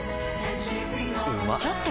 うまっ